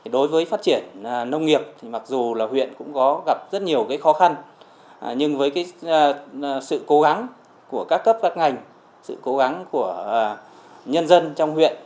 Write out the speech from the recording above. đối với phát triển nông nghiệp thì mặc dù là huyện cũng có gặp rất nhiều khó khăn nhưng với sự cố gắng của các cấp các ngành sự cố gắng của nhân dân trong huyện